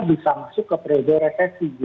bisa masuk ke pre recesi